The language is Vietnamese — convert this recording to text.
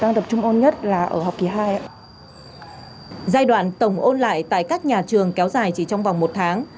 giai đoạn tổng ôn lại tại các nhà trường kéo dài chỉ trong vòng một tháng